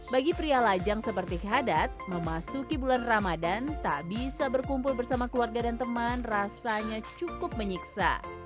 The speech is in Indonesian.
bagi pria lajang seperti khadat memasuki bulan ramadan tak bisa berkumpul bersama keluarga dan teman rasanya cukup menyiksa